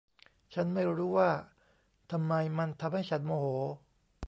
ฉันไม่รู้ว่าทำไมมันทำให้ฉันโมโห